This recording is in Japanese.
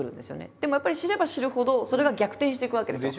でもやっぱり知れば知るほどそれが逆転していくわけですよ。